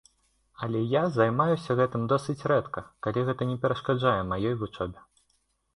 Але я займаюся гэтым досыць рэдка, калі гэта не перашкаджае маёй вучобе.